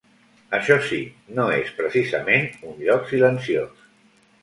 Això sí, no és precisament un lloc silenciós.